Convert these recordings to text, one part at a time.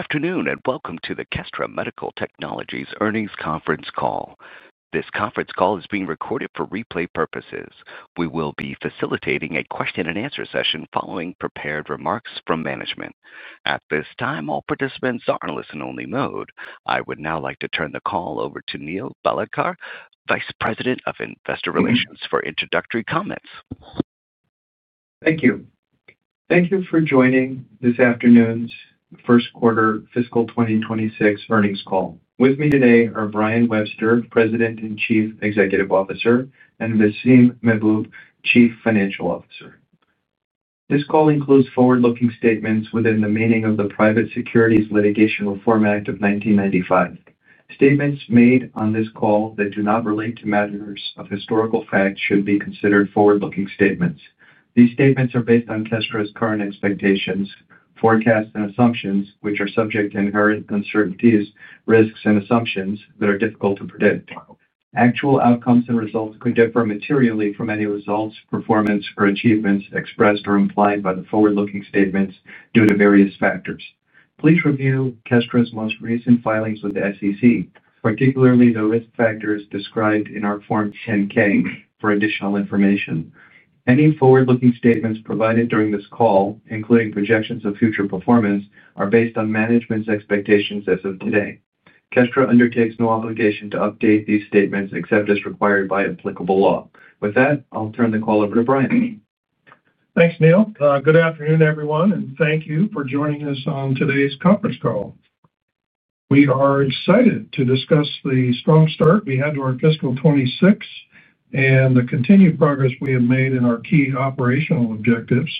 Afternoon and welcome to the Kestra Medical Technologies earnings conference call. This conference call is being recorded for replay purposes. We will be facilitating a question and answer session following prepared remarks from management. At this time, all participants are in listen-only mode. I would now like to turn the call over to Neil Bhalodkar, Vice President of Investor Relations, for introductory comments. Thank you. Thank you for joining this afternoon's first quarter fiscal 2026 earnings call. With me today are Brian Webster, President and Chief Executive Officer, and Vaseem Mahboob, Chief Financial Officer. This call includes forward-looking statements within the meaning of the Private Securities Litigation Reform Act of 1995. Statements made on this call that do not relate to matters of historical facts should be considered forward-looking statements. These statements are based on Kestra Medical Technologies' current expectations, forecasts, and assumptions, which are subject to inherent uncertainties, risks, and assumptions that are difficult to predict. Actual outcomes and results could differ materially from any results, performance, or achievements expressed or implied by the forward-looking statements due to various factors. Please review Kestra Medical Technologies' most recent filings with the SEC, particularly the risk factors described in our Form 10-K for additional information. Any forward-looking statements provided during this call, including projections of future performance, are based on management's expectations as of today. Kestra Medical Technologies undertakes no obligation to update these statements except as required by applicable law. With that, I'll turn the call over to Brian. Thanks, Neil. Good afternoon, everyone, and thank you for joining us on today's conference call. We are excited to discuss the strong start we had to our fiscal 2026 and the continued progress we have made in our key operational objectives.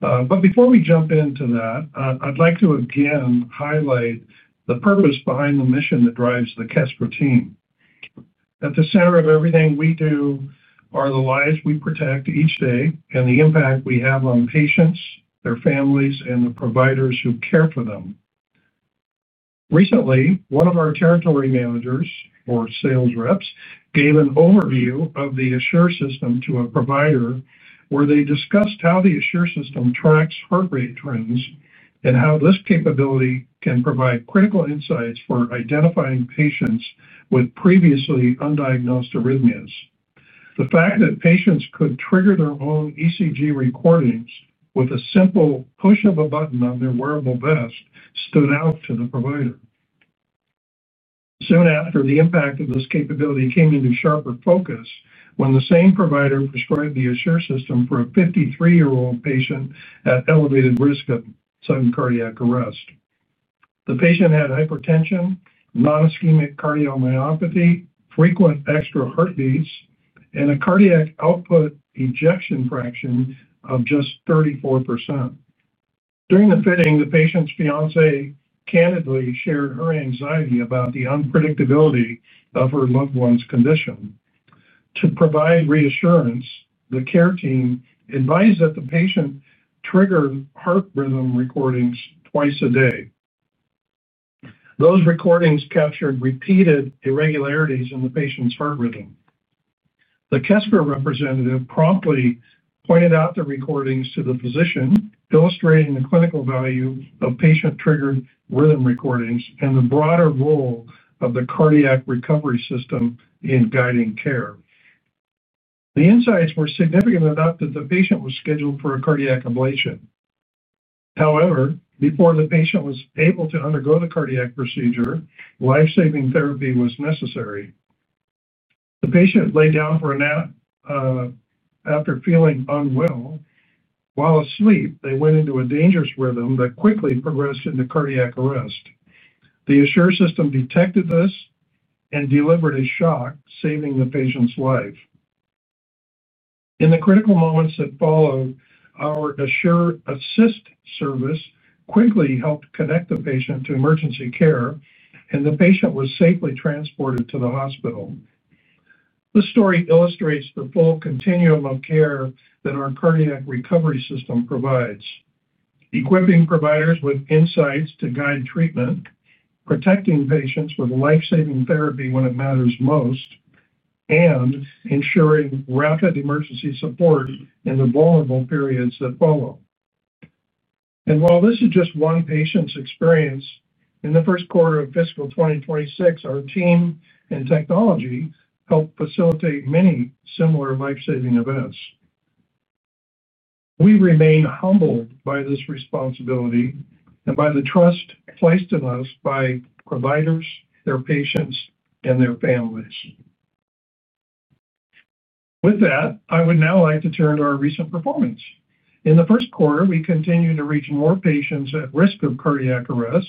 Before we jump into that, I'd like to again highlight the purpose behind the mission that drives the Kestra team. At the center of everything we do are the lives we protect each day and the impact we have on patients, their families, and the providers who care for them. Recently, one of our Territory Managers, or sales reps, gave an overview of the Assure system to a provider where they discussed how the Assure system tracks heart rate trends and how this capability can provide critical insights for identifying patients with previously undiagnosed arrhythmias. The fact that patients could trigger their own ECG recordings with a simple push of a button on their wearable vest stood out to the provider. Soon after, the impact of this capability came into sharper focus when the same provider described the Assure system for a 53-year-old patient at elevated risk of sudden cardiac arrest. The patient had hypertension, nonischemic cardiomyopathy, frequent extra heartbeats, and a cardiac output ejection fraction of just 34%. During the fitting, the patient's fiancée candidly shared her anxiety about the unpredictability of her loved one's condition. To provide reassurance, the care team advised that the patient triggered heart rhythm recordings twice a day. Those recordings captured repeated irregularities in the patient's heart rhythm. The Kestra representative promptly pointed out the recordings to the physician, illustrating the clinical value of patient-triggered rhythm recordings and the broader role of the cardiac recovery system in guiding care. The insights were significant enough that the patient was scheduled for a cardiac ablation. However, before the patient was able to undergo the cardiac procedure, lifesaving therapy was necessary. The patient laid down for a nap after feeling unwell. While asleep, they went into a dangerous rhythm that quickly progressed into cardiac arrest. The Assure system detected this and delivered a shock, saving the patient's life. In the critical moments that followed, our Assure Assist service quickly helped connect the patient to emergency care, and the patient was safely transported to the hospital. This story illustrates the full continuum of care that our cardiac recovery system provides, equipping providers with insights to guide treatment, protecting patients with lifesaving therapy when it matters most, and ensuring rapid emergency support in the vulnerable periods that follow. While this is just one patient's experience, in the first quarter of fiscal 2026, our team and technology helped facilitate many similar lifesaving events. We remain humbled by this responsibility and by the trust placed in us by providers, their patients, and their families. With that, I would now like to turn to our recent performance. In the first quarter, we continued to reach more patients at risk of cardiac arrest,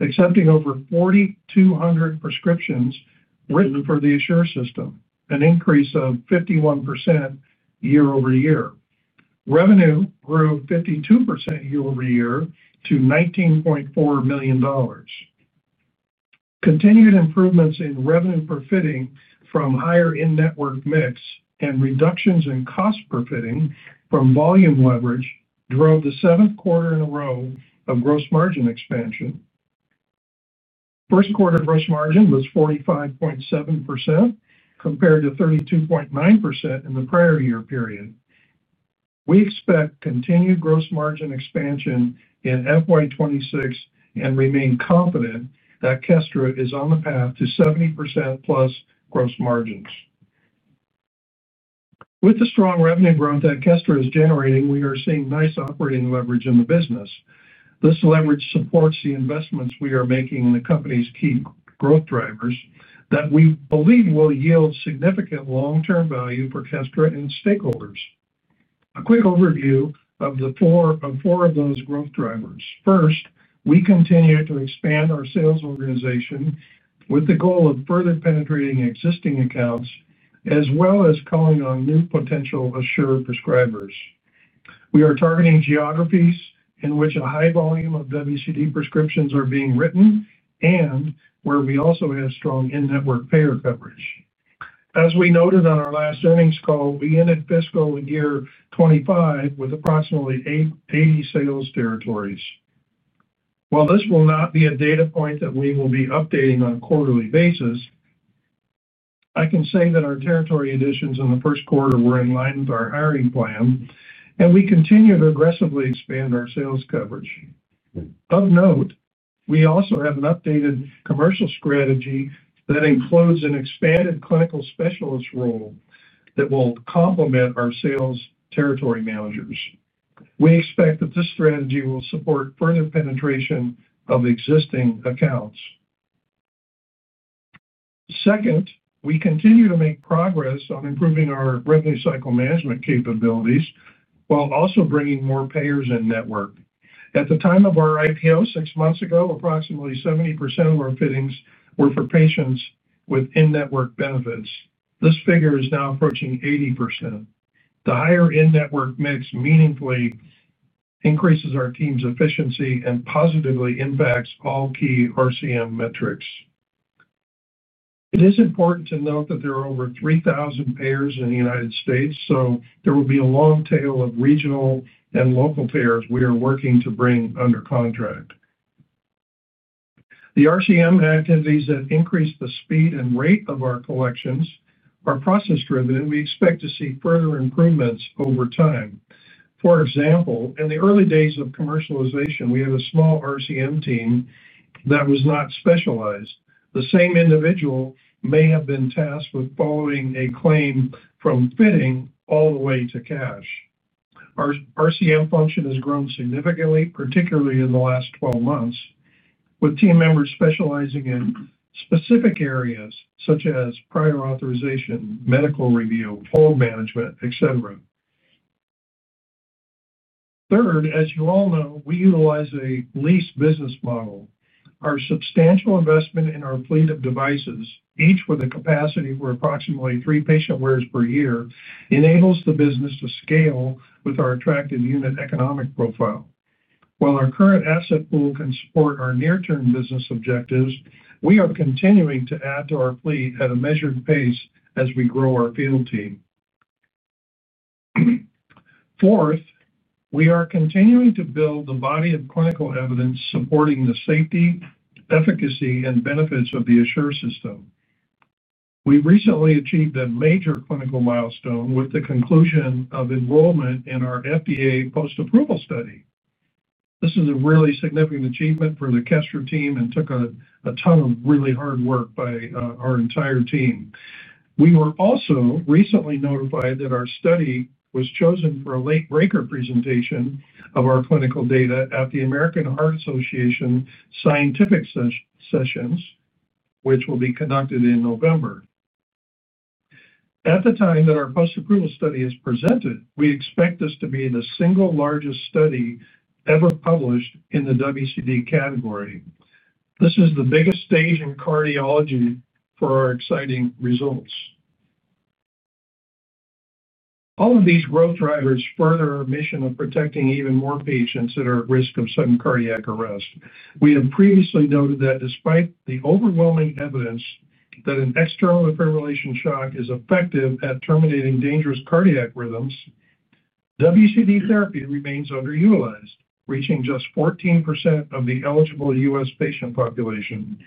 accepting over 4,200 prescriptions written for the Assure system, an increase of 51% year over year. Revenue grew 52% year over year to $19.4 million. Continued improvements in revenue per fitting from higher in-network MIPS and reductions in cost per fitting from volume leverage drove the seventh quarter in a row of gross margin expansion. First quarter gross margin was 45.7% compared to 32.9% in the prior year period. We expect continued gross margin expansion in FY26 and remain confident that Kestra is on the path to 70% plus gross margins. With the strong revenue growth that Kestra is generating, we are seeing nice operating leverage in the business. This leverage supports the investments we are making in the company's key growth drivers that we believe will yield significant long-term value for Kestra and its stakeholders. A quick overview of the four of those growth drivers. First, we continue to expand our sales organization with the goal of further penetrating existing accounts as well as calling on new potential Assure prescribers. We are targeting geographies in which a high volume of WCD prescriptions are being written and where we also have strong in-network payer coverage. As we noted on our last earnings call, we ended fiscal year 2025 with approximately 80 sales territories. While this will not be a data point that we will be updating on a quarterly basis, I can say that our territory additions in the first quarter were in line with our hiring plan, and we continue to aggressively expand our sales coverage. Of note, we also have an updated commercial strategy that includes an expanded clinical specialist role that will complement our sales territory managers. We expect that this strategy will support further penetration of existing accounts. Second, we continue to make progress on improving our revenue cycle management capabilities while also bringing more payers in network. At the time of our IPO six months ago, approximately 70% of our fittings were for patients with in-network benefits. This figure is now approaching 80%. The higher in-network MIPS meaningfully increases our team's efficiency and positively impacts all key RCM metrics. It is important to note that there are over 3,000 payers in the U.S., so there will be a long tail of regional and local payers we are working to bring under contract. The RCM activities that increase the speed and rate of our collections are process-driven. We expect to see further improvements over time. For example, in the early days of commercialization, we had a small RCM team that was not specialized. The same individual may have been tasked with following a claim from fitting all the way to cash. Our RCM function has grown significantly, particularly in the last 12 months, with team members specializing in specific areas such as prior authorization, medical review, hold management, et cetera. Third, as you all know, we utilize a lease business model. Our substantial investment in our fleet of devices, each with a capacity for approximately three patient wears per year, enables the business to scale with our attractive unit economic profile. While our current asset pool can support our near-term business objectives, we are continuing to add to our fleet at a measured pace as we grow our field team. Fourth, we are continuing to build the body of clinical evidence supporting the safety, efficacy, and benefits of the Assure system. We recently achieved a major clinical milestone with the conclusion of enrollment in our FDA post-approval study. This is a really significant achievement for the Kestra team and took a ton of really hard work by our entire team. We were also recently notified that our study was chosen for a late breaker presentation of our clinical data at the American Heart Association Scientific Sessions, which will be conducted in November. At the time that our post-approval study is presented, we expect this to be the single largest study ever published in the WCD category. This is the biggest stage in cardiology for our exciting results. All of these growth drivers further our mission of protecting even more patients that are at risk of sudden cardiac arrest. We have previously noted that despite the overwhelming evidence that an external defibrillation shock is effective at terminating dangerous cardiac rhythms, WCD therapy remains underutilized, reaching just 14% of the eligible U.S. patient population.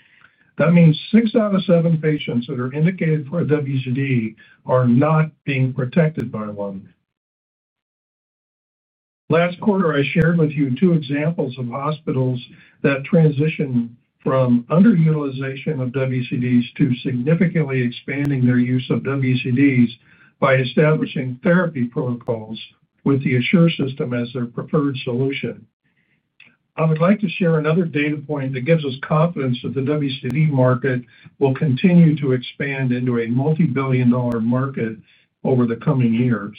That means six out of seven patients that are indicated for WCD are not being protected by one. Last quarter, I shared with you two examples of hospitals that transitioned from underutilization of WCDs to significantly expanding their use of WCDs by establishing therapy protocols with the Assure system as their preferred solution. I would like to share another data point that gives us confidence that the WCD market will continue to expand into a multi-billion dollar market over the coming years.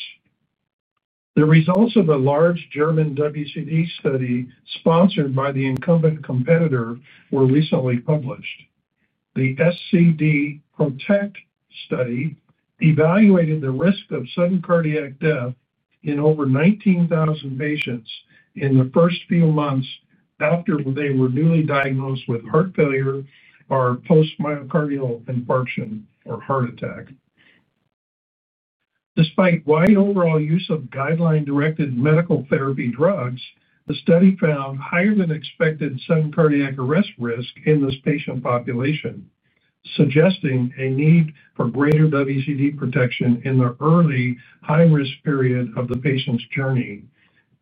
The results of the large German WCD study sponsored by the incumbent competitor were recently published. The SCD Protect study evaluated the risk of sudden cardiac death in over 19,000 patients in the first few months after they were newly diagnosed with heart failure or post-myocardial infarction or heart attack. Despite wide overall use of guideline-directed medical therapy drugs, the study found higher than expected sudden cardiac arrest risk in this patient population, suggesting a need for greater WCD protection in the early high-risk period of the patient's journey.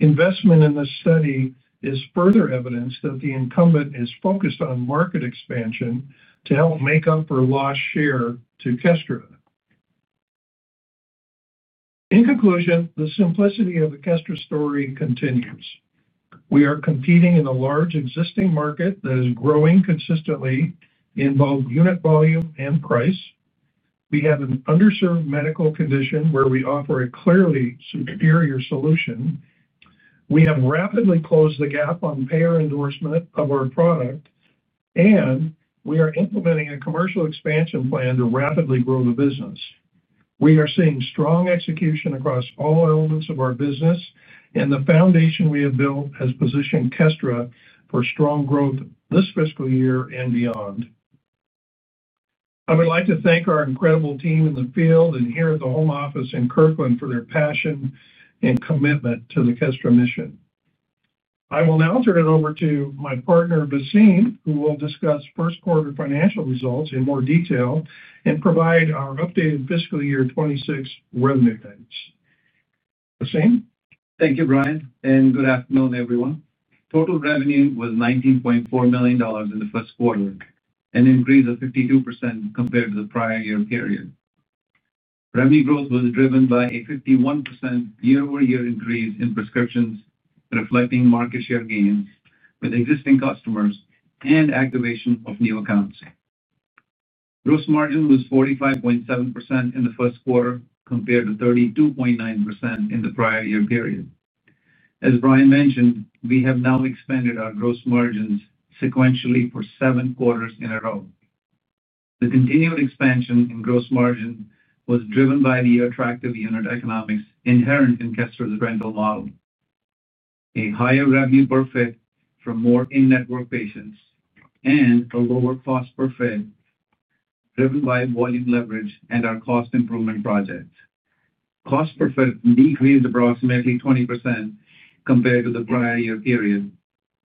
Investment in this study is further evidence that the incumbent is focused on market expansion to help make up for a lost share to Kestra. In conclusion, the simplicity of the Kestra story continues. We are competing in a large existing market that is growing consistently in both unit volume and price. We have an underserved medical condition where we offer a clearly superior solution. We have rapidly closed the gap on payer endorsement of our product, and we are implementing a commercial expansion plan to rapidly grow the business. We are seeing strong execution across all elements of our business, and the foundation we have built has positioned Kestra for strong growth this fiscal year and beyond. I would like to thank our incredible team in the field and here at the home office in Kirkland for their passion and commitment to the Kestra mission. I will now turn it over to my partner, Vaseem, who will discuss first quarter financial results in more detail and provide our updated fiscal year 2026 revenue stats. Vaseem? Thank you, Brian, and good afternoon, everyone. Total revenue was $19.4 million in the first quarter, an increase of 52% compared to the prior year period. Revenue growth was driven by a 51% year-over-year increase in prescriptions, reflecting market share gains with existing customers and activation of new accounts. Gross margin was 45.7% in the first quarter compared to 32.9% in the prior year period. As Brian mentioned, we have now expanded our gross margins sequentially for seven quarters in a row. The continued expansion in gross margin was driven by the attractive unit economics inherent in Kestra's rental model, a higher revenue per fit for more in-network patients, and a lower cost per fit driven by volume leverage and our cost improvement projects. Cost per fit decreased approximately 20% compared to the prior year period,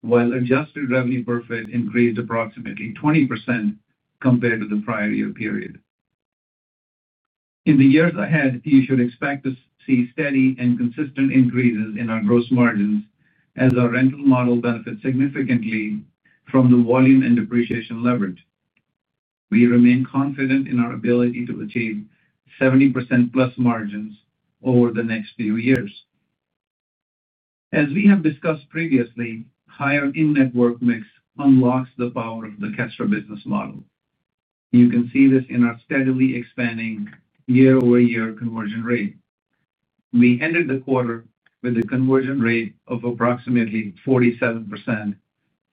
while adjusted revenue per fit increased approximately 20% compared to the prior year period. In the years ahead, you should expect to see steady and consistent increases in our gross margins as our rental model benefits significantly from the volume and depreciation leverage. We remain confident in our ability to achieve 70% plus margins over the next few years. As we have discussed previously, higher in-network MIPS unlocks the power of the Kestra business model. You can see this in our steadily expanding year-over-year conversion rate. We ended the quarter with a conversion rate of approximately 47%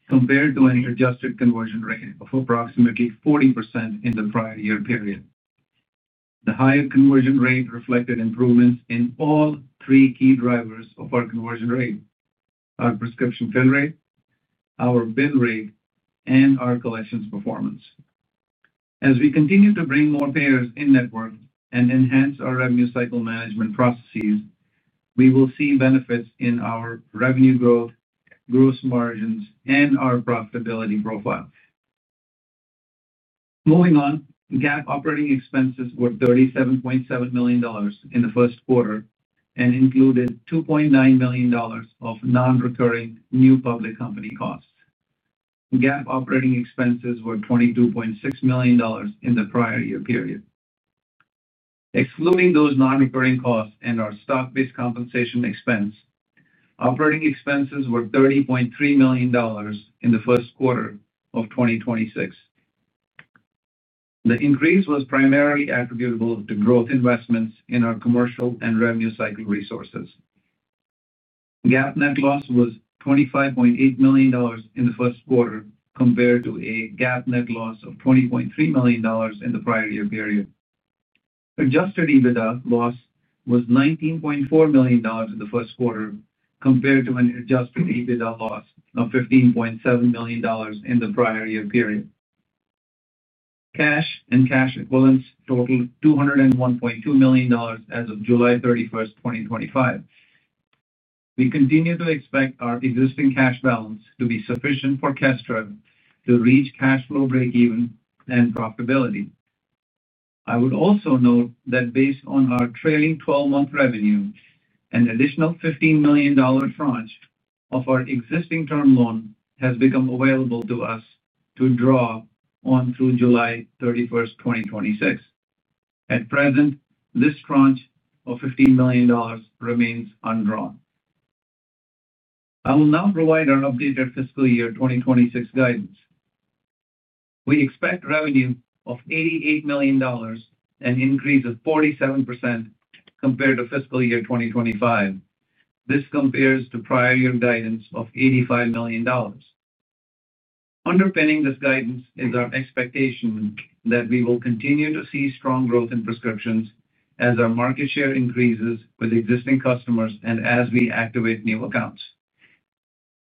compared to an adjusted conversion rate of approximately 40% in the prior year period. The higher conversion rate reflected improvements in all three key drivers of our conversion rate: our prescription fill rate, our bill rate, and our collections performance. As we continue to bring more payers in network and enhance our revenue cycle management processes, we will see benefits in our revenue growth, gross margins, and our profitability profile. Moving on, GAAP operating expenses were $37.7 million in the first quarter and included $2.9 million of non-recurring new public company costs. GAAP operating expenses were $22.6 million in the prior year period. Excluding those non-recurring costs and our stock-based compensation expense, operating expenses were $30.3 million in the first quarter of 2026. The increase was primarily attributable to growth investments in our commercial and revenue cycle resources. GAAP net loss was $25.8 million in the first quarter compared to a GAAP net loss of $20.3 million in the prior year period. Adjusted EBITDA loss was $19.4 million in the first quarter compared to an adjusted EBITDA loss of $15.7 million in the prior year period. Cash and cash equivalents totaled $201.2 million as of July 31, 2025. We continue to expect our existing cash balance to be sufficient for Kestra to reach cash flow breakeven and profitability. I would also note that based on our trailing 12-month revenue, an additional $15 million tranche of our existing term loan has become available to us to draw on through July 31, 2026. At present, this tranche of $15 million remains undrawn. I will now provide our updated fiscal year 2026 guidance. We expect revenue of $88 million, an increase of 47% compared to fiscal year 2025. This compares to prior year guidance of $85 million. Underpinning this guidance is our expectation that we will continue to see strong growth in prescriptions as our market share increases with existing customers and as we activate new accounts.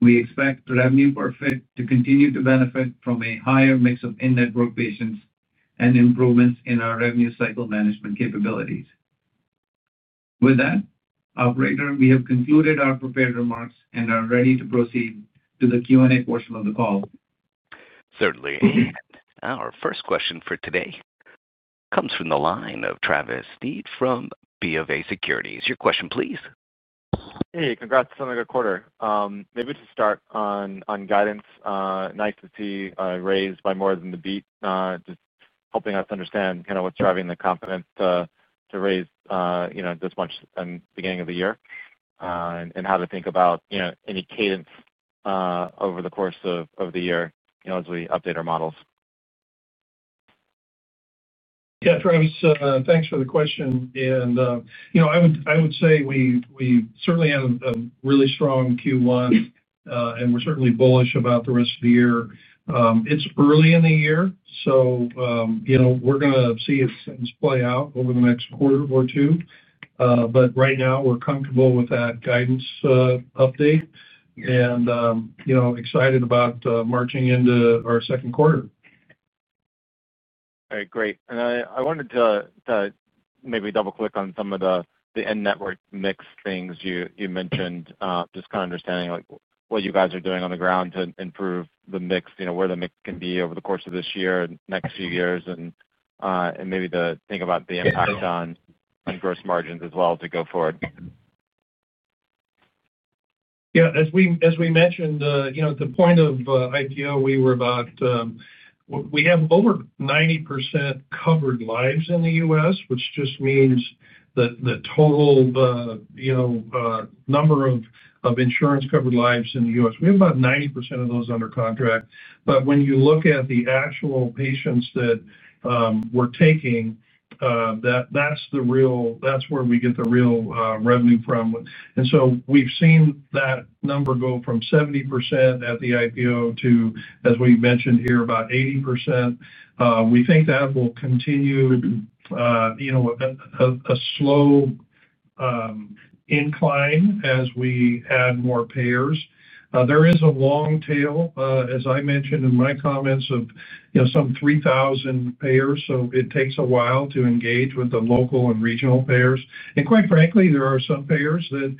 We expect revenue per fit to continue to benefit from a higher mix of in-network patients and improvements in our revenue cycle management capabilities. With that, operator, we have concluded our prepared remarks and are ready to proceed to the Q&A portion of the call. Certainly. Our first question for today comes from the line of Travis Deed from B of A Securities. Your question, please. Hey, congrats to the quarter. Maybe to start on guidance, nice to see raised by more than the beat, just helping us understand kind of what's driving the confidence to raise this much at the beginning of the year and how to think about any cadence over the course of the year as we update our models. Yeah, Travis, thanks for the question. I would say we certainly had a really strong Q1, and we're certainly bullish about the rest of the year. It's early in the year, so we're going to see if things play out over the next quarter or two. Right now, we're comfortable with that guidance update and excited about marching into our second quarter. All right, great. I wanted to maybe double-click on some of the in-network mix things you mentioned, just kind of understanding what you guys are doing on the ground to improve the mix, where the mix can be over the course of this year and next few years, and maybe to think about the impact on gross margins as well to go forward. Yeah, as we mentioned, you know at the point of IPO, we were about, we have over 90% covered lives in the U.S., which just means that the total, you know, number of insurance covered lives in the U.S., we have about 90% of those under contract. When you look at the actual patients that we're taking, that's the real, that's where we get the real revenue from. We've seen that number go from 70% at the IPO to, as we mentioned here, about 80%. We think that will continue a slow incline as we add more payers. There is a long tail, as I mentioned in my comments, of some 3,000 payers, so it takes a while to engage with the local and regional payers. Quite frankly, there are some payers that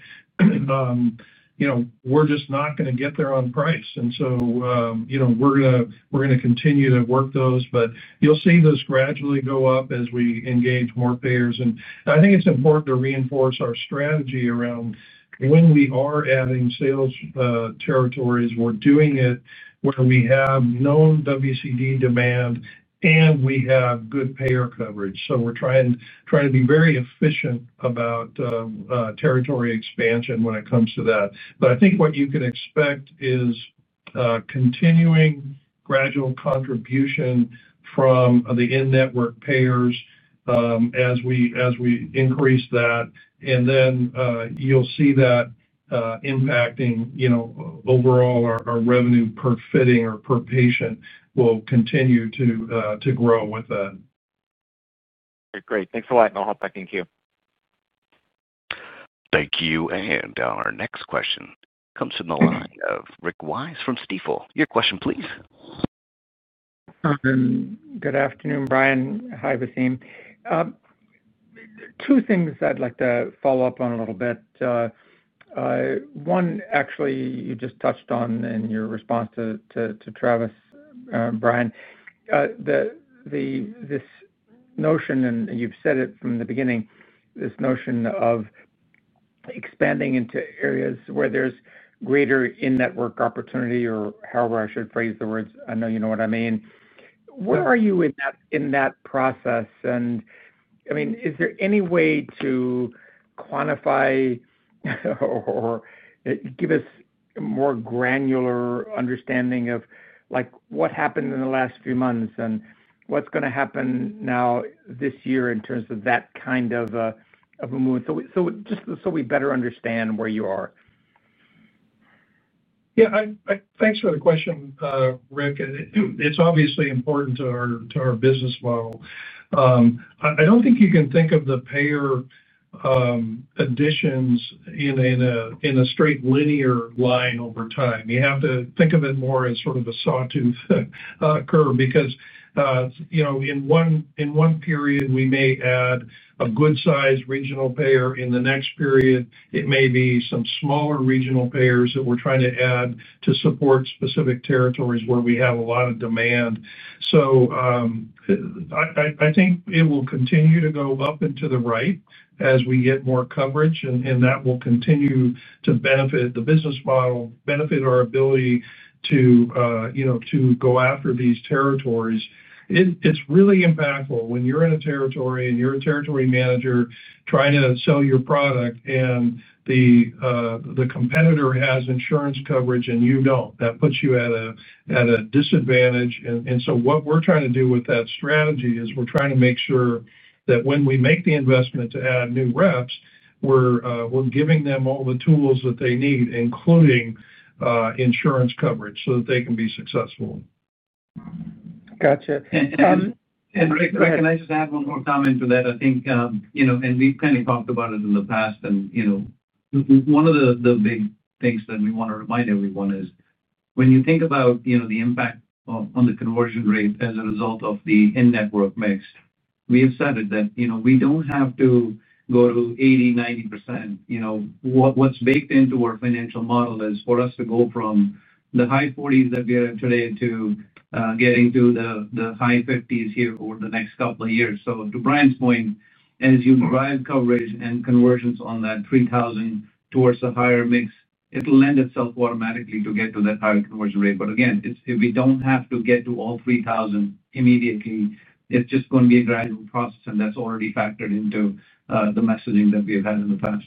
we're just not going to get there on price. We're going to continue to work those, but you'll see those gradually go up as we engage more payers. I think it's important to reinforce our strategy around when we are adding sales territories, we're doing it where we have known WCD demand and we have good payer coverage. We're trying to be very efficient about territory expansion when it comes to that. I think what you can expect is continuing gradual contribution from the in-network payers as we increase that. You'll see that impacting overall our revenue per fitting or per patient will continue to grow with that. Great, thanks a lot. I thank you. Thank you. Our next question comes from the line of Rick Wise from Stifel. Your question, please. Good afternoon, Brian. Hi, Vaseem. Two things I'd like to follow up on a little bit. One, actually, you just touched on in your response to Travis, Brian, that this notion, and you've said it from the beginning, this notion of expanding into areas where there's greater in-network opportunity, or however I should phrase the words, I know you know what I mean. Where are you in that process? I mean, is there any way to quantify or give us a more granular understanding of what happened in the last few months and what's going to happen now this year in terms of that kind of a movement? Just so we better understand where you are. Yeah, thanks for the question, Rick. It's obviously important to our business model. I don't think you can think of the payer additions in a straight linear line over time. You have to think of it more as sort of a sawtooth curve because in one period, we may add a good-sized regional payer. In the next period, it may be some smaller regional payers that we're trying to add to support specific territories where we have a lot of demand. I think it will continue to go up and to the right as we get more coverage, and that will continue to benefit the business model, benefit our ability to go after these territories. It's really impactful when you're in a territory and you're a Territory Manager trying to sell your product and the competitor has insurance coverage and you don't. That puts you at a disadvantage. What we're trying to do with that strategy is we're trying to make sure that when we make the investment to add new reps, we're giving them all the tools that they need, including insurance coverage so that they can be successful. Gotcha. Rick, can I just add one more comment to that? I think, you know, we've kind of talked about it in the past, and one of the big things that we want to remind everyone is when you think about the impact on the conversion rate as a result of the in-network mix, we have said that we don't have to go to 80, 90%. What's baked into our financial model is for us to go from the high 40s that we are in today to getting to the high 50s here over the next couple of years. To Brian's point, as you drive coverage and conversions on that 3,000 towards a higher mix, it'll lend itself automatically to get to that higher conversion rate. If we don't have to get to all 3,000 immediately, it's just going to be a gradual process, and that's already factored into the messaging that we've had in the past.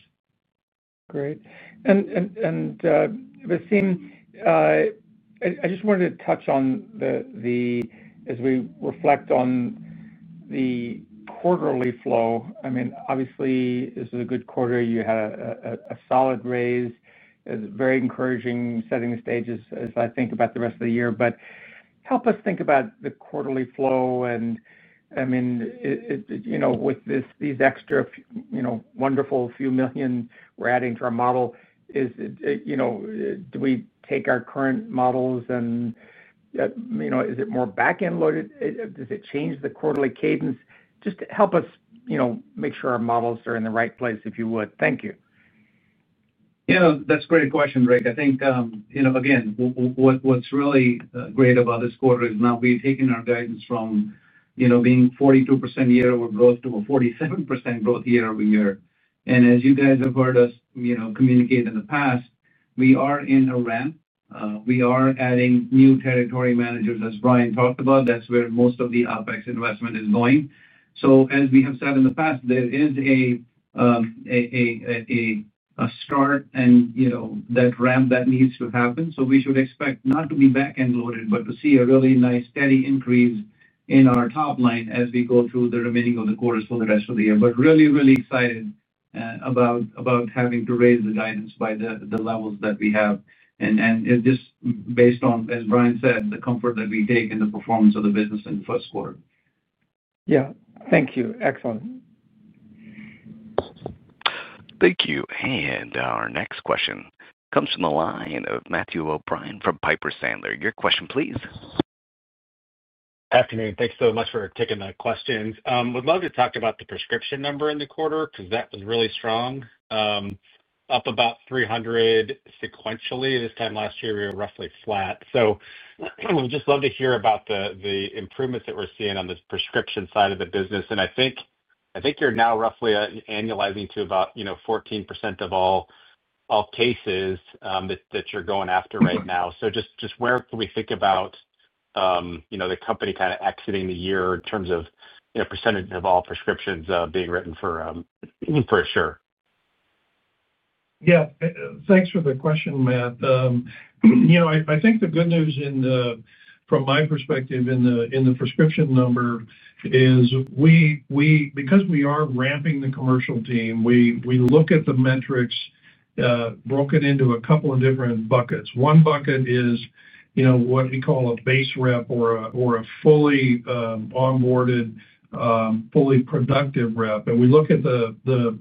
Great. Vaseem, I just wanted to touch on the, as we reflect on the quarterly flow. Obviously, this is a good quarter. You had a solid raise. It's very encouraging setting the stages as I think about the rest of the year. Help us think about the quarterly flow. With these extra wonderful few million we're adding to our model, do we take our current models and is it more back-end loaded? Does it change the quarterly cadence? Help us make sure our models are in the right place, if you would. Thank you. Yeah, that's a great question, Rick. I think what's really great about this quarter is now we've taken our guidance from being 42% year-over growth to a 47% growth year-over-year. As you guys have heard us communicate in the past, we are in a ramp. We are adding new territory managers, as Brian talked about. That's where most of the OpEx investment is going. As we have said in the past, there is a start and that ramp that needs to happen. We should expect not to be back-end loaded, but to see a really nice steady increase in our top line as we go through the remaining of the quarters for the rest of the year. Really, really excited about having to raise the guidance by the levels that we have. It's just based on, as Brian said, the comfort that we take in the performance of the business in the first quarter. Thank you. Excellent. Thank you. Our next question comes from the line of Matthew O'Brien from Piper Sandler. Your question, please. Afternoon. Thanks so much for taking the questions. I would love to talk about the prescription number in the quarter because that was really strong, up about 300 sequentially. This time last year, we were roughly flat. I would just love to hear about the improvements that we're seeing on the prescription side of the business. I think you're now roughly annualizing to about 14% of all cases that you're going after right now. Where can we think about the company kind of exiting the year in terms of percentage of all prescriptions being written for Assure? Yeah, thanks for the question, Matt. I think the good news from my perspective in the prescription number is we, because we are ramping the commercial team, look at the metrics broken into a couple of different buckets. One bucket is what we call a base rep or a fully onboarded, fully productive rep. We look at the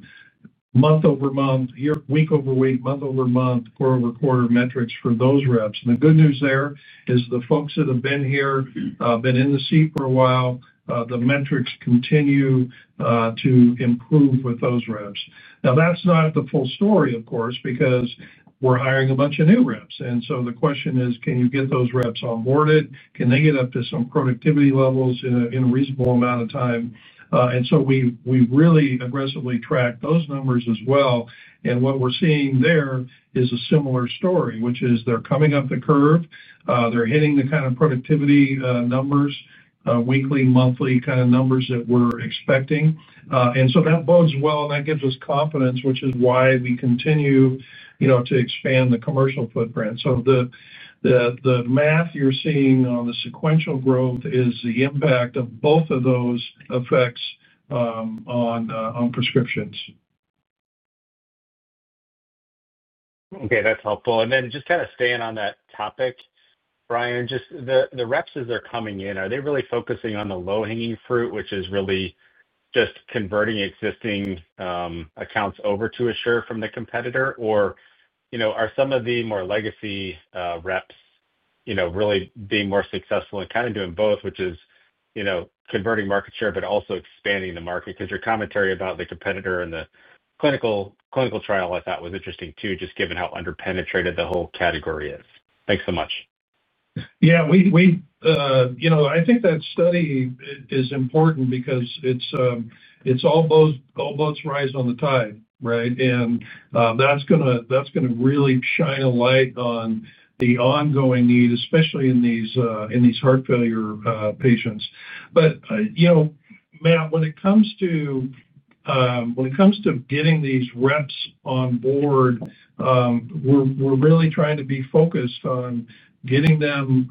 month over month, week over week, month over month, quarter over quarter metrics for those reps. The good news there is the folks that have been here, been in the seat for a while, the metrics continue to improve with those reps. That's not the full story, of course, because we're hiring a bunch of new reps. The question is, can you get those reps onboarded? Can they get up to some productivity levels in a reasonable amount of time? We've really aggressively tracked those numbers as well. What we're seeing there is a similar story, which is they're coming up the curve. They're hitting the kind of productivity numbers, weekly, monthly kind of numbers that we're expecting. That bodes well and that gives us confidence, which is why we continue to expand the commercial footprint. The math you're seeing on the sequential growth is the impact of both of those effects on prescriptions. Okay, that's helpful. Just kind of staying on that topic, Brian, just the reps as they're coming in, are they really focusing on the low-hanging fruit, which is really just converting existing accounts over to Assure from the competitor, or are some of the more legacy reps really being more successful and kind of doing both, which is converting market share, but also expanding the market? Your commentary about the competitor and the clinical trial, I thought, was interesting too, just given how underpenetrated the whole category is. Thanks so much. Yeah, you know, I think that study is important because it's all boats rise on the tide, right? That's going to really shine a light on the ongoing need, especially in these heart failure patients. You know, Matt, when it comes to getting these reps on board, we're really trying to be focused on getting them.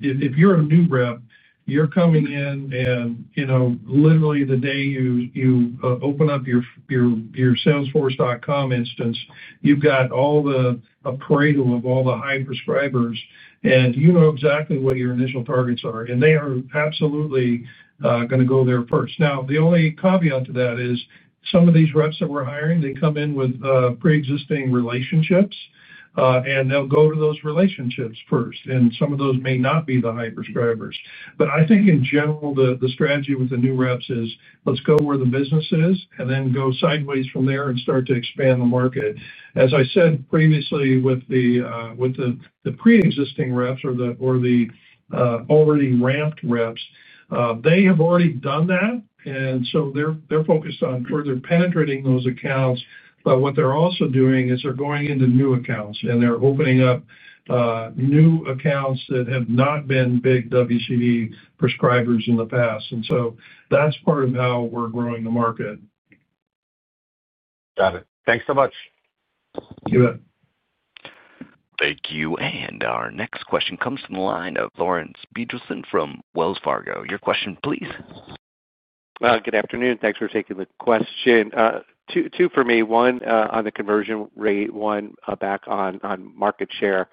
If you're a new rep, you're coming in and you know literally the day you open up your Salesforce.com instance, you've got all the Pareto of all the high prescribers, and you know exactly what your initial targets are. They are absolutely going to go there first. The only caveat to that is some of these reps that we're hiring come in with pre-existing relationships, and they'll go to those relationships first. Some of those may not be the high prescribers, but I think in general the strategy with the new reps is let's go where the business is and then go sideways from there and start to expand the market. As I said previously, with the pre-existing reps or the already ramped reps, they have already done that and so they're focused on further penetrating those accounts. What they're also doing is they're going into new accounts and they're opening up new accounts that have not been big WCD prescribers in the past. That's part of how we're growing the market. Got it. Thanks so much. You bet. Thank you. Our next question comes from the line of Lawrence Beedleson from Wells Fargo. Your question, please. Good afternoon. Thanks for taking the question. Two for me, one on the conversion rate, one back on market share.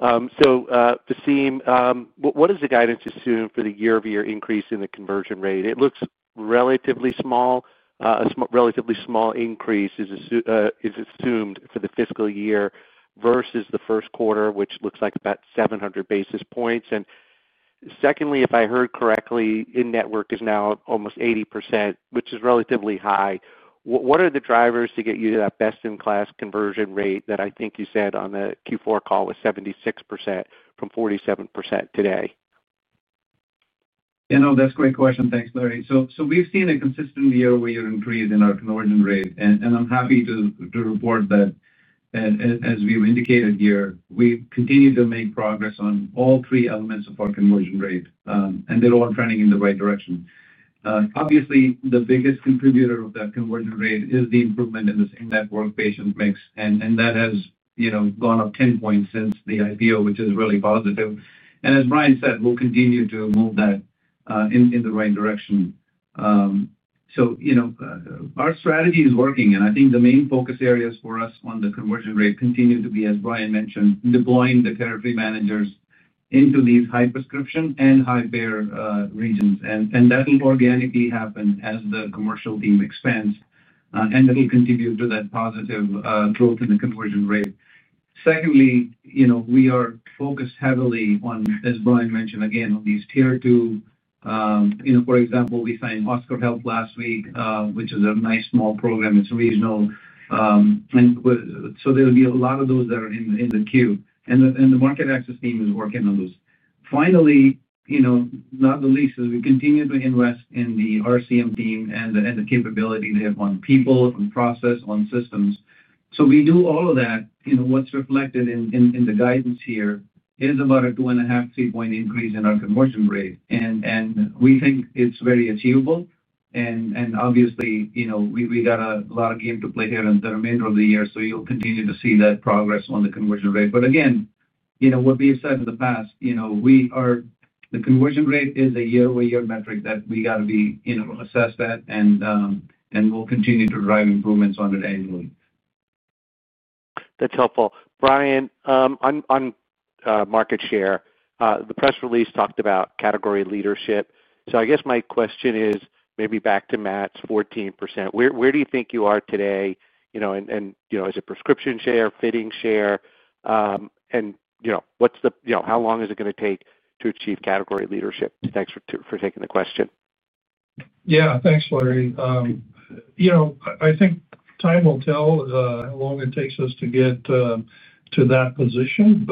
Vaseem, what is the guidance assumed for the year-over-year increase in the conversion rate? It looks relatively small. A relatively small increase is assumed for the fiscal year versus the first quarter, which looks like about 700 basis points. Secondly, if I heard correctly, in-network is now almost 80%, which is relatively high. What are the drivers to get you to that best-in-class conversion rate that I think you said on the Q4 call was 76% from 47% today? Yeah, no, that's a great question. Thanks, Larry. We've seen a consistent year-over-year increase in our conversion rate, and I'm happy to report that. As we've indicated here, we've continued to make progress on all three elements of our conversion rate, and they're all trending in the right direction. Obviously, the biggest contributor of that conversion rate is the improvement in the in-network patient mix, and that has gone up 10 points since the IPO, which is really positive. As Brian said, we'll continue to move that in the right direction. Our strategy is working, and I think the main focus areas for us on the conversion rate continue to be, as Brian mentioned, deploying the territory managers into these high prescription and high payer regions. That'll organically happen as the commercial team expands, and we'll continue that positive growth in the conversion rate. Secondly, we are focused heavily on, as Brian mentioned again, on these tier two. For example, we signed Oscar Health last week, which is a nice small program. It's regional, and there'll be a lot of those that are in the queue, and the market access team is working on those. Finally, not the least, is we continue to invest in the RCM team and the capability they have on people, on process, on systems. We do all of that. What's reflected in the guidance here is about a 2.5, 3-point increase in our conversion rate, and we think it's very achievable. Obviously, we've got a lot of game to play here in the remainder of the year, so you'll continue to see that progress on the conversion rate. Again, what we have said in the past, the conversion rate is a year-over-year metric that we got to be assessed at, and we'll continue to drive improvements on it annually. That's helpful. Brian, on market share, the press release talked about category leadership. I guess my question is maybe back to Matt's 14%. Where do you think you are today, you know, and is it prescription share, fitting share? How long is it going to take to achieve category leadership? Thanks for taking the question. Yeah, thanks, Larry. I think time will tell how long it takes us to get to that position.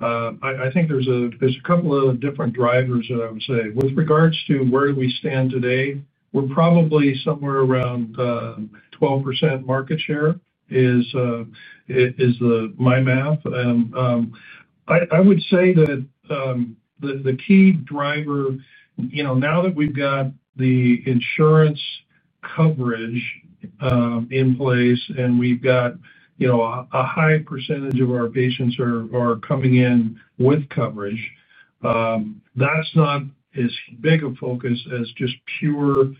I think there's a couple of different drivers that I would say. With regards to where we stand today, we're probably somewhere around 12% market share is my math. I would say that the key driver, now that we've got the insurance coverage in place and we've got a high percentage of our patients coming in with coverage, that's not as big a focus as just pure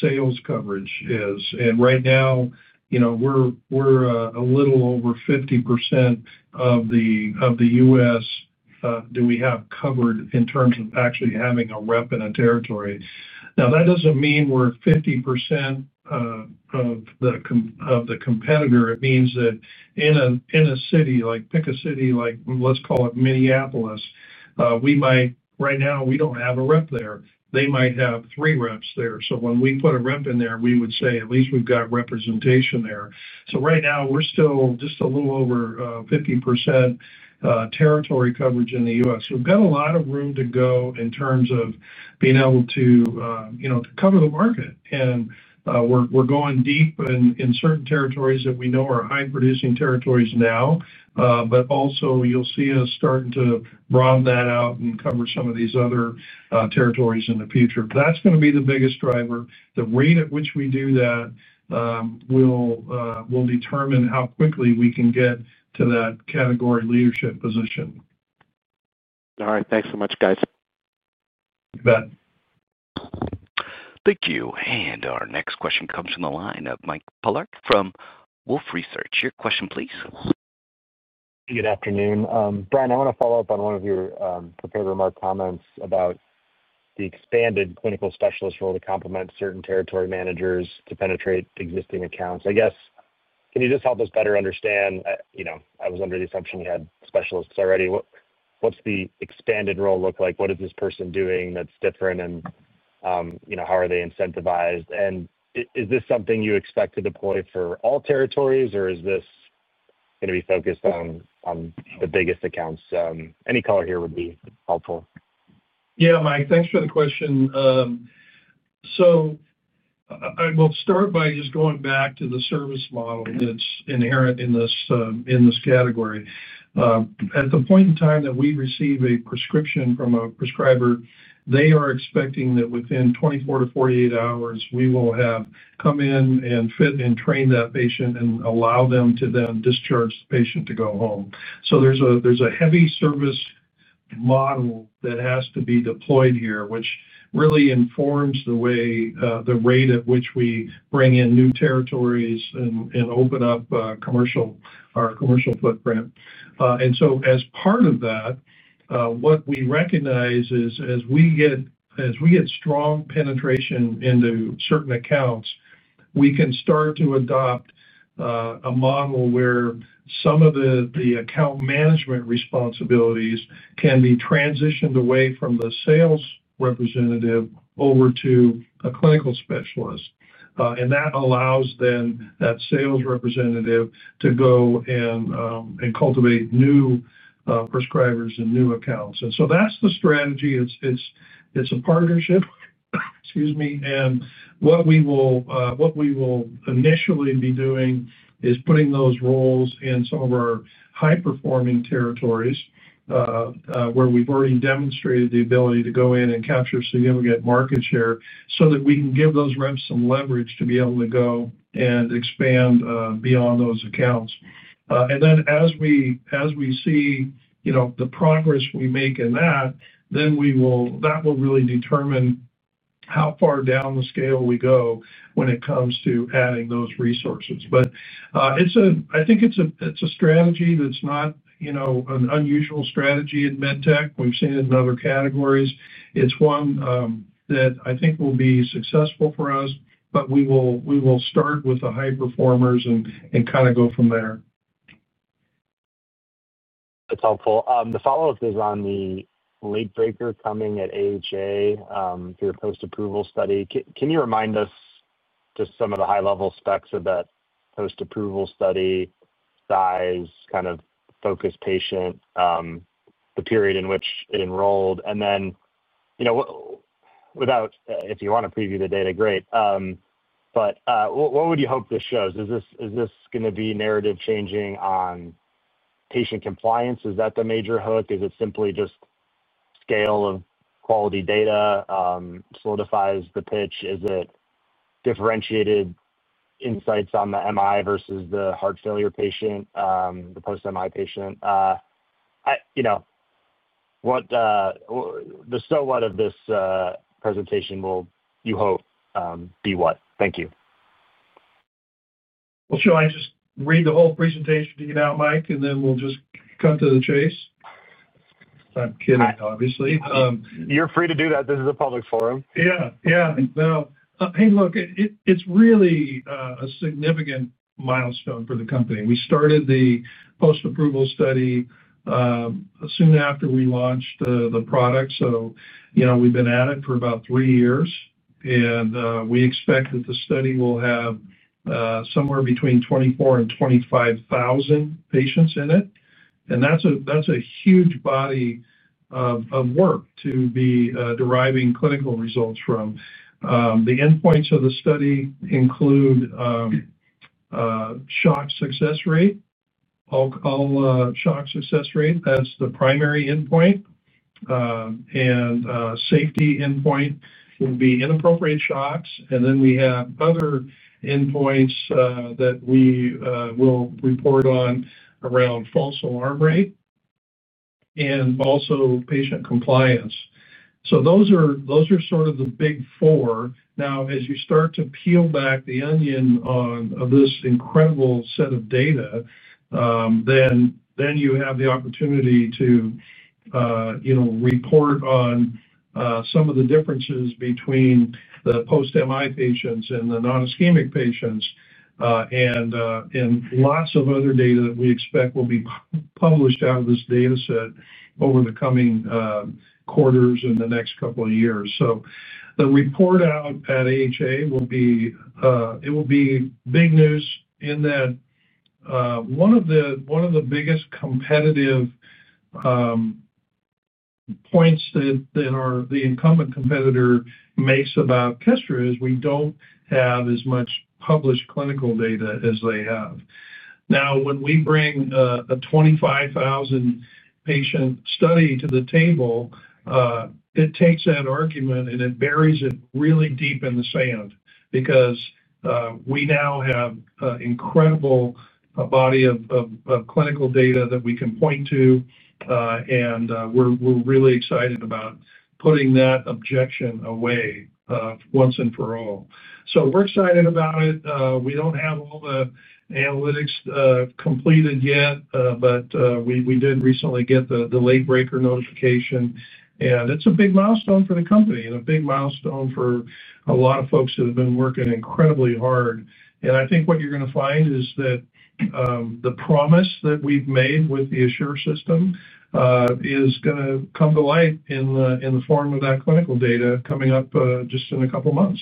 sales coverage is. Right now, we're a little over 50% of the U.S. that we have covered in terms of actually having a rep in a territory. That doesn't mean we're 50% of the competitor. It means that in a city, like pick a city, like let's call it Minneapolis, right now, we don't have a rep there. They might have three reps there. When we put a rep in there, we would say at least we've got representation there. Right now, we're still just a little over 50% territory coverage in the U.S. We've got a lot of room to go in terms of being able to cover the market. We're going deep in certain territories that we know are high-producing territories now. You'll see us starting to broaden that out and cover some of these other territories in the future. That's going to be the biggest driver. The rate at which we do that will determine how quickly we can get to that category leadership position. All right. Thanks so much, guys. You bet. Thank you. Our next question comes from the line of Mike Pollock from Wolfe Research. Your question, please. Good afternoon. Brian, I want to follow up on one of your prepared remark comments about the expanded clinical specialist role that complements certain territory managers to penetrate existing accounts. Can you just help us better understand? I was under the assumption you had specialists already. What's the expanded role look like? What is this person doing that's different? How are they incentivized? Is this something you expect to deploy for all territories, or is this going to be focused on the biggest accounts? Any color here would be helpful. Yeah, Mike, thanks for the question. I will start by just going back to the service model that's inherent in this category. At the point in time that we receive a prescription from a prescriber, they are expecting that within 24 to 48 hours, we will have come in and fit and train that patient and allow them to then discharge the patient to go home. There's a heavy service model that has to be deployed here, which really informs the way the rate at which we bring in new territories and open up our commercial footprint. As part of that, what we recognize is as we get strong penetration into certain accounts, we can start to adopt a model where some of the account management responsibilities can be transitioned away from the sales representative over to a clinical specialist. That allows then that sales representative to go and cultivate new prescribers and new accounts. That's the strategy. It's a partnership, excuse me. What we will initially be doing is putting those roles in some of our high-performing territories where we've already demonstrated the ability to go in and capture significant market share so that we can give those reps some leverage to be able to go and expand beyond those accounts. As we see the progress we make in that, that will really determine how far down the scale we go when it comes to adding those resources. I think it's a strategy that's not an unusual strategy in med tech. We've seen it in other categories. It's one that I think will be successful for us, but we will start with the high performers and kind of go from there. That's helpful. The follow-up is on the late breaker coming at AHA through the FDA post-approval study. Can you remind us just some of the high-level specs of that post-approval study, size, kind of focus patient, the period in which it enrolled? If you want to preview the data, great. What would you hope this shows? Is this going to be narrative changing on patient compliance? Is that the major hook? Is it simply just scale of quality data solidifies the pitch? Is it differentiated insights on the MI versus the heart failure patient, the post-MI patient? The so what of this presentation will you hope be what? Thank you. I just read the whole presentation to get out, Mike, and then we'll just cut to the chase. I'm kidding, obviously. You're free to do that. This is a public forum. Yeah, yeah. No, hey, look, it's really a significant milestone for the company. We started the FDA post-approval study soon after we launched the product. We've been at it for about three years. We expect that the study will have somewhere between 24,000 and 25,000 patients in it. That's a huge body of work to be deriving clinical results from. The endpoints of the study include shock success rate. All shock success rate, that's the primary endpoint. The safety endpoint would be inappropriate shocks. We have other endpoints that we will report on around false alarm rate and also patient compliance. Those are sort of the big four. Now, as you start to peel back the onion on this incredible set of data, you have the opportunity to report on some of the differences between the post-MI patients and the non-ischemic patients and lots of other data that we expect will be published out of this data set over the coming quarters and the next couple of years. The report out at the American Heart Association will be big news in that one of the biggest competitive points that our incumbent competitor makes about Kestra Medical Technologies is we don't have as much published clinical data as they have. Now, when we bring a 25,000-patient study to the table, it takes that argument and it buries it really deep in the sand because we now have an incredible body of clinical data that we can point to. We're really excited about putting that objection away once and for all. We're excited about it. We don't have all the analytics completed yet, but we did recently get the late breaker notification. It's a big milestone for the company and a big milestone for a lot of folks that have been working incredibly hard. I think what you're going to find is that the promise that we've made with the Assure system is going to come to life in the form of that clinical data coming up just in a couple of months.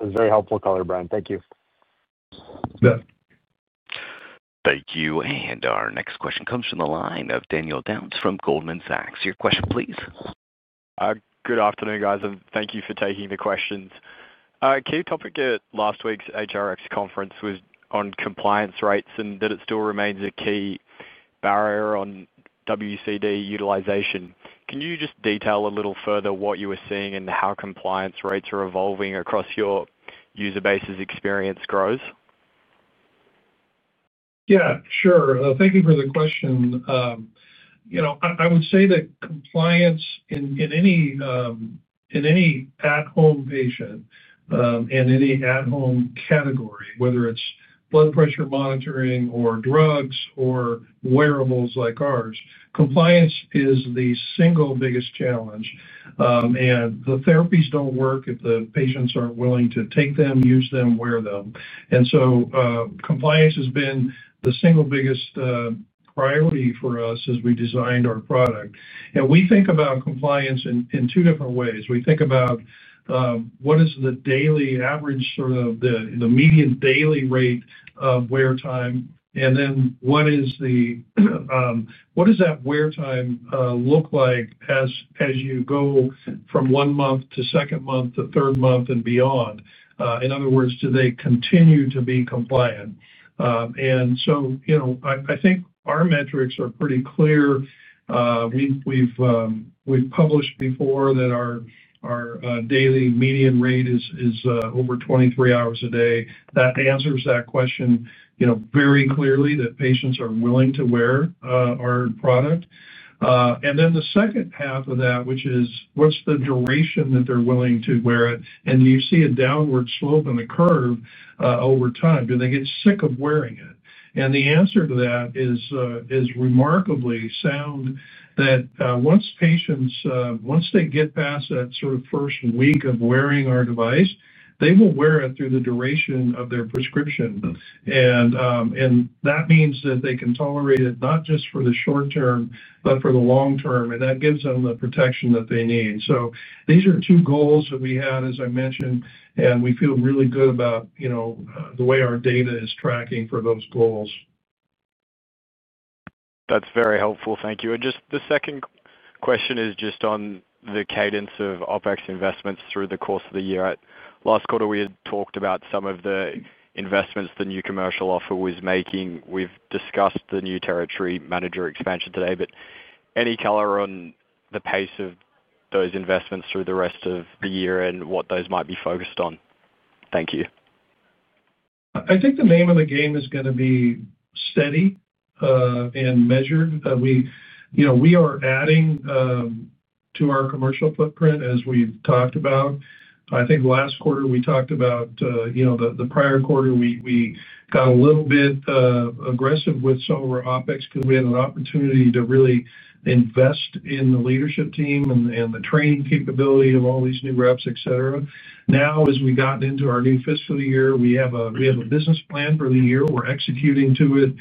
That's a very helpful color, Brian. Thank you. Yeah. Thank you. Our next question comes from the line of Daniel Downs from Goldman Sachs. Your question, please. Good afternoon, guys, and thank you for taking the questions. Key topic at last week's HRX conference was on compliance rates and that it still remains a key barrier on WCD utilization. Can you just detail a little further what you were seeing and how compliance rates are evolving across your user base's experience grows? Yeah, sure. Thank you for the question. I would say that compliance in any at-home patient and any at-home category, whether it's blood pressure monitoring or drugs or wearables like ours, compliance is the single biggest challenge. The therapies don't work if the patients aren't willing to take them, use them, wear them. Compliance has been the single biggest priority for us as we designed our product. We think about compliance in two different ways. We think about what is the daily average, sort of the median daily rate of wear time, and then what does that wear time look like as you go from one month to second month to third month and beyond. In other words, do they continue to be compliant? I think our metrics are pretty clear. We've published before that our daily median rate is over 23 hours a day. That answers that question very clearly, that patients are willing to wear our product. The second half of that, which is what's the duration that they're willing to wear it, you see a downward slope in the curve over time. Do they get sick of wearing it? The answer to that is remarkably sound, that once patients, once they get past that sort of first week of wearing our device, they will wear it through the duration of their prescription. That means that they can tolerate it not just for the short term, but for the long term. That gives them the protection that they need. These are two goals that we had, as I mentioned, and we feel really good about the way our data is tracking for those goals. That's very helpful. Thank you. Just the second question is on the cadence of OpEx investments through the course of the year. Last quarter, we had talked about some of the investments the new commercial offer was making. We've discussed the new territory manager expansion today, but any color on the pace of those investments through the rest of the year and what those might be focused on? Thank you. I think the name of the game is going to be steady and measured. We are adding to our commercial footprint as we talked about. I think last quarter we talked about the prior quarter we got a little bit aggressive with some of our OpEx because we had an opportunity to really invest in the leadership team and the training capability of all these new reps, etc. Now, as we've gotten into our new fiscal year, we have a business plan for the year. We're executing to it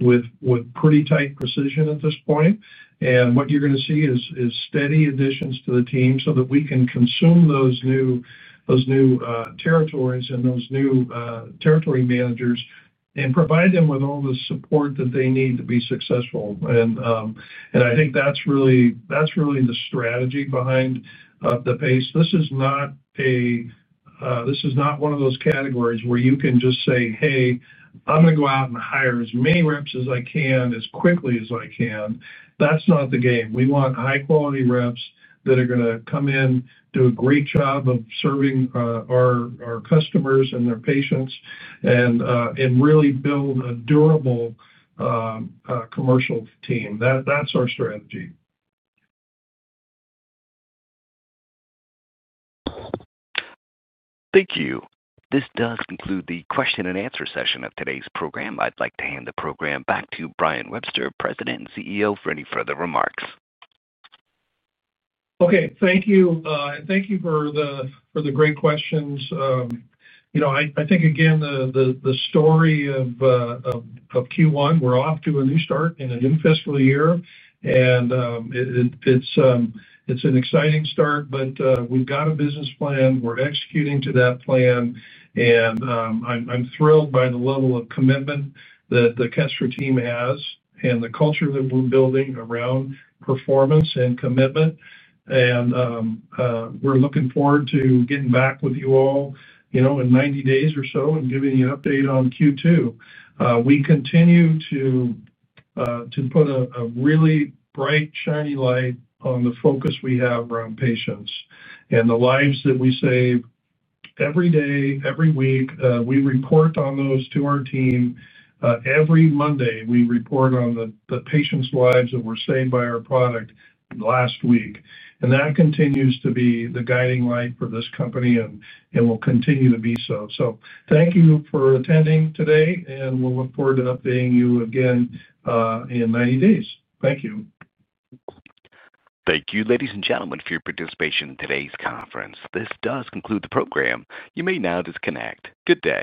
with pretty tight precision at this point. What you're going to see is steady additions to the team so that we can consume those new territories and those new territory managers and provide them with all the support that they need to be successful. I think that's really the strategy behind the pace. This is not one of those categories where you can just say, "Hey, I'm going to go out and hire as many reps as I can as quickly as I can." That's not the game. We want high-quality reps that are going to come in, do a great job of serving our customers and their patients, and really build a durable commercial team. That's our strategy. Thank you. This does conclude the question and answer session of today's program. I'd like to hand the program back to Brian Webster, President and CEO, for any further remarks. Thank you. Thank you for the great questions. I think, again, the story of Q1, we're off to a new start in a new fiscal year. It's an exciting start, but we've got a business plan. We're executing to that plan. I'm thrilled by the level of commitment that the Kestra team has and the culture that we're building around performance and commitment. We're looking forward to getting back with you all in 90 days or so and giving you an update on Q2. We continue to put a really bright, shiny light on the focus we have around patients and the lives that we save every day, every week. We report on those to our team. Every Monday, we report on the patients' lives that were saved by our product last week. That continues to be the guiding light for this company, and it will continue to be so. Thank you for attending today, and we'll look forward to updating you again in 90 days. Thank you. Thank you, ladies and gentlemen, for your participation in today's conference. This does conclude the program. You may now disconnect. Good day.